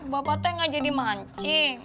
bapak tuh ga jadi mancing